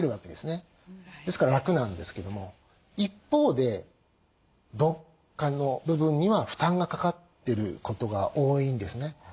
ですから楽なんですけども一方でどっかの部分には負担がかかってることが多いんですね。